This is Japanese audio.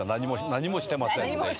何もしてませんね。